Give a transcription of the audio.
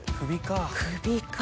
首か。